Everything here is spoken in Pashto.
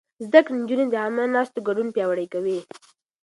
زده کړې نجونې د عامه ناستو ګډون پياوړی کوي.